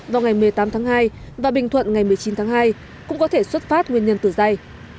vào ngày một mươi tám tháng hai và bình thuận ngày một mươi chín tháng hai cũng có thể xuất phát nguyên nhân tử dây